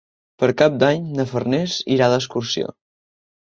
Per Cap d'Any na Farners irà d'excursió.